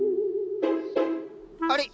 あれ？